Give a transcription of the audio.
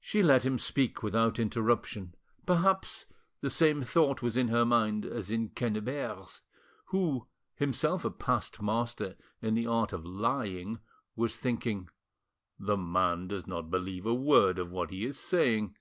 She let him speak without interruption; perhaps the same thought was in her mind as in Quennebert's, who, himself a past master in the art of lying; was thinking— "The man does not believe a word of what he is saying."